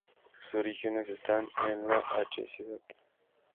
Sus orígenes están en la H. Cd.